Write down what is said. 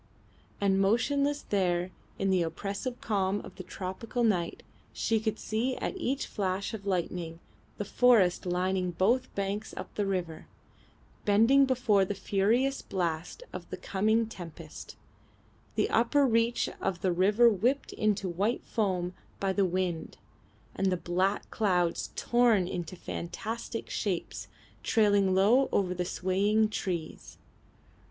And motionless there in the oppressive calm of the tropical night she could see at each flash of lightning the forest lining both banks up the river, bending before the furious blast of the coming tempest, the upper reach of the river whipped into white foam by the wind, and the black clouds torn into fantastic shapes trailing low over the swaying trees.